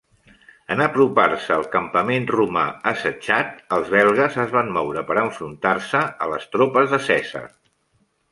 En apropar-se al campament romà assetjat, els belgues es van moure per enfrontar-se a les tropes de Cèsar.